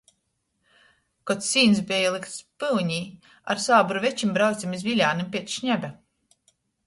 Kod sīns beja lykts pyunē, ar sābru večim braucem iz Viļānim piec šņaba.